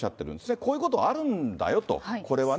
こういうことはあるんだよと、これはね。